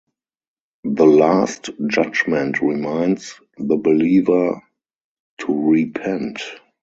The Last Judgement reminds the believer to repent.